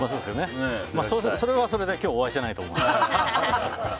それはそれで今日お会いしてないと思うんですけど。